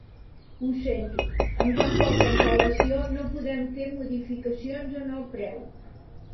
Ho sento, amb tan poca antel·lació no podem fer modificacions en el preu.